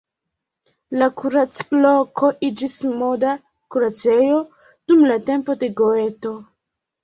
La kuracloko iĝis moda kuracejo dum la tempo de Goeto.